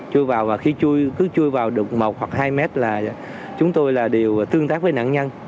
chui vào và khi chui cứ chui vào được một hoặc hai mét là chúng tôi là đều tương tác với nạn nhân